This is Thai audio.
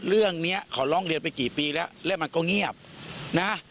เรื่องนี้เขาร้องเรียนไปกี่ปีแล้วแล้วมันก็เงียบนะ